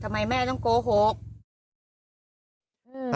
ทำไมแม่ต้องโกหก